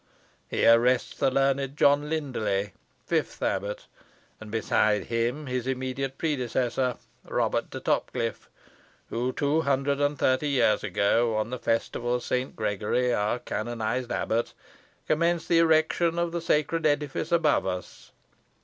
Here rests the learned John Lyndelay, fifth abbot; and beside him his immediate predecessor, Robert de Topcliffe, who, two hundred and thirty years ago, on the festival of Saint Gregory, our canonised abbot, commenced the erection of the sacred edifice above us.